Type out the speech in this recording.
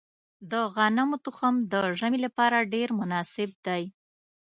د غنمو تخم د ژمي لپاره ډیر مناسب دی.